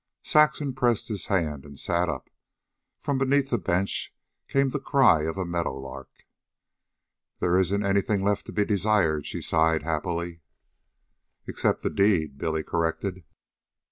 Saxon pressed his hand and sat up. From beneath the bench came the cry of a meadow lark. "There isn't anything left to be desired," she sighed happily. "Except the deed," Billy corrected.